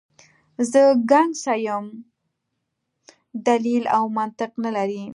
زه ګنګسه یم، دلیل او منطق نه لرم.